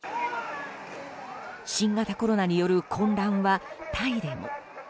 新型コロナによる混乱はタイでも。